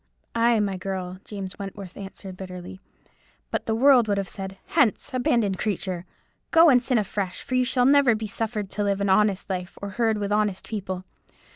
'" "Ay, my girl," James Wentworth answered, bitterly, "but the world would have said, 'Hence, abandoned creature! go, and sin afresh; for you shall never be suffered to live an honest life, or herd with honest people.